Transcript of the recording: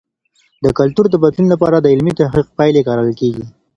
د کلتور د بدلون لپاره د علمي تحقیق پایلې کارول کیږي.